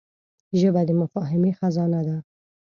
ژبه د مفاهمې خزانه ده